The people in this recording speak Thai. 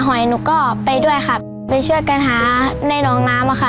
หนูก็เสียใจค่ะที่ไม่มีพ่อมีแม่เหมือนเพื่อนค่ะ